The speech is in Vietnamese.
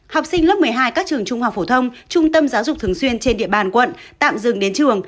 học sinh lớp một mươi hai các trường trung học phổ thông trung tâm giáo dục thường xuyên trên địa bàn quận tạm dừng đến trường